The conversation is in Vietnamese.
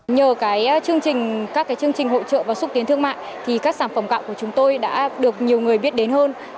nhờ các chương trình hỗ trợ và xúc tiến thương mại thì các sản phẩm cạo của chúng tôi đã được nhiều người biết đến hơn